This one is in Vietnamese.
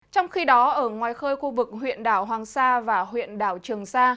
trong khi đó ở ngoài khơi khu vực huyện đảo hoàng sa và huyện đảo trường sa